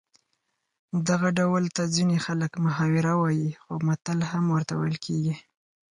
دغه ډول ته ځینې خلک محاوره وايي خو متل هم ورته ویل کېږي